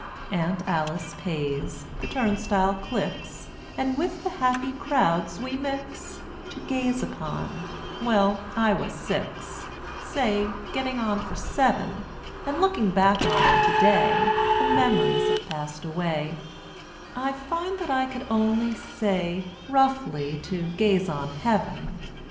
Aunt Alice pays; the turnstile clicks, And with the happy crowds we mix To gaze upon well, I was six, Say, getting on for seven; And, looking back on it to day, The memories have passed away I find that I can only say (Roughly) to gaze on heaven.